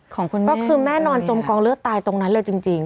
ของคุณแม่ก็คือแม่นอนจมกองเลือดตายตรงนั้นเลยจริง